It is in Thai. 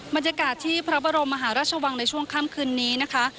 บรรยากาศที่พระบรมมหาราชวังในช่วงค่ำคืนนี้นะคะ